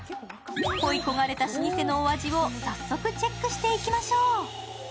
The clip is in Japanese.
恋い焦がれた老舗のお味を早速チェックしていきましょう。